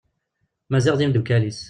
Maziɣ d yimddukal-is.